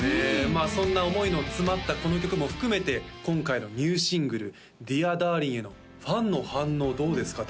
まあそんな思いの詰まったこの曲も含めて今回のニューシングル「ＤｅａｒＤａｒｌｉｎ’」へのファンの反応どうですか？